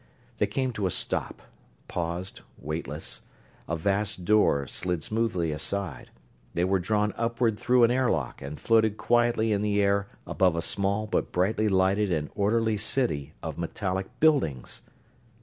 They came to a stop paused, weightless a vast door slid smoothly aside they were drawn upward through an airlock and floated quietly in the air above a small, but brightly lighted and orderly city of metallic buildings!